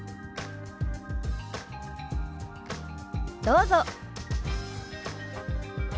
どうぞ。